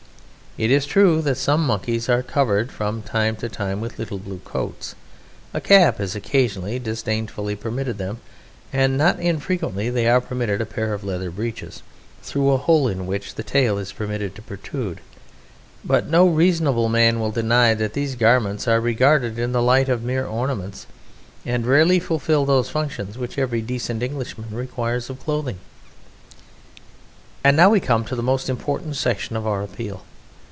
It is true that some Monkeys are covered from time to time with little blue coats. A cap is occasionally disdainfully permitted them, and not infrequently they are permitted a pair of leather breeches, through a hole in which the tail is permitted to protrude; but no reasonable man will deny that these garments are regarded in the light of mere ornaments, and rarely fulfil those functions which every decent Englishman requires of clothing. And now we come to the most important section of our appeal.